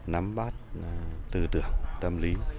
nắm bắt tư tưởng tâm lý